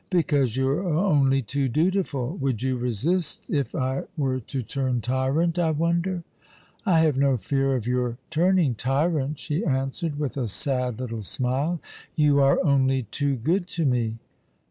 " Because you are only too dutiful. "Would you resist if I were to turn tyrant, I wonder ?" "I have no fear of your turning tyrant/' she answered, with a sad little smile ;" you are only too good to me.'